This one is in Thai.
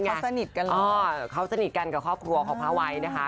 เขาสนิทกันเลยเขาสนิทกันกับครอบครัวของพระไว้นะคะ